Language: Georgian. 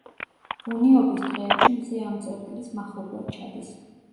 ბუნიობის დღეებში მზე ამ წერტილის მახლობლად ჩადის.